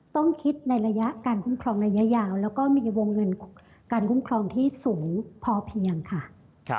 ต้องคิดในระยะการคุ้มครองระยะยาวแล้วก็มีวงเงินการคุ้มครองที่สูงพอเพียงค่ะ